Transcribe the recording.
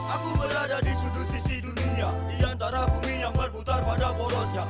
aku berada di sudut sisi dunia di antara bumi yang berputar pada borosnya